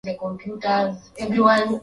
Hatua za kufuata kupika viazi vyenye karanga